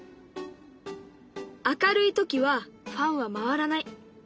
明るい時はファンは回らない。